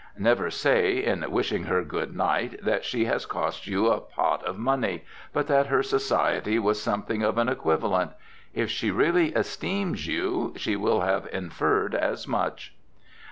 Never say, in wishing her good night, that she has cost you a pot of money, but that her society was something of an equivalent. If she really esteems you, she will have inferred as much.